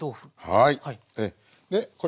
はい。